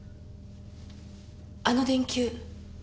あの電球。